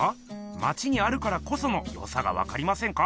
まちにあるからこそのよさがわかりませんか？